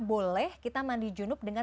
boleh kita mandi junup dengan